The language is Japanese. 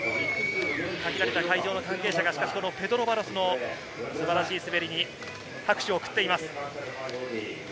限られた会場の関係者がペドロ・バロスの素晴らしい滑りに拍手を送っています。